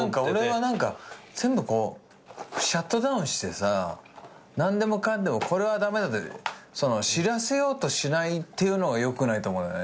俺は何か全部シャットダウンしてさ何でもかんでもこれは駄目だで知らせようとしないっていうのがよくないと思う。